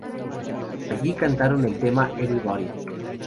Allí cantaron el tema "Everybody".